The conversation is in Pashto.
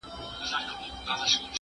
زه اوس چپنه پاکوم!.